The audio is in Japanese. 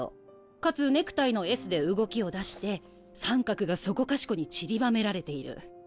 かつネクタイのＳで動きを出して三角がそこかしこにちりばめられている。